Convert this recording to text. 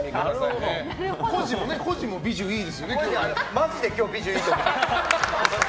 マジで今日ビジュいいと思ってる。